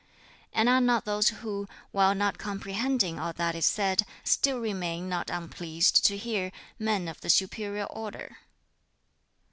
"And are not those who, while not comprehending all that is said, still remain not unpleased to hear, men of the superior order?"